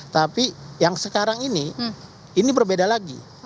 tapi yang sekarang ini ini berbeda lagi